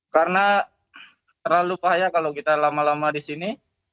karena terlalu bahaya kalau kita lama lama di sini